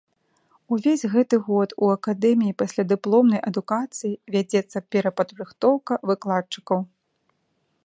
Увесь гэты год у акадэміі паслядыпломнай адукацыі вядзецца перападрыхтоўка выкладчыкаў.